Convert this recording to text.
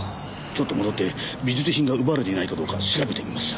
ちょっと戻って美術品が奪われていないかどうか調べてみます。